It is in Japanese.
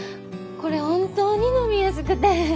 これ本当に飲みやすくて。